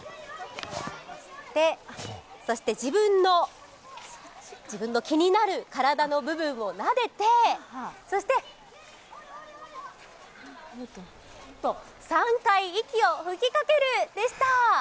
手、そして自分の気になる体の部分をなでて、そしてふー、ふー、ふーと３回息を吹きかけるでした。